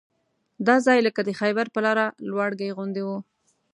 دا ځای لکه د خیبر پر لاره لواړګي غوندې وو.